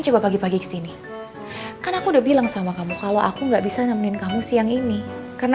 coba pagi pagi kesini kan aku udah bilang sama kamu kalau aku nggak bisa nemenin kamu siang ini karena